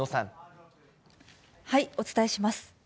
お伝えします。